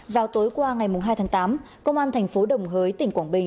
vào tối qua ngày hai tháng tám công an thành phố đồng hới tỉnh quảng bình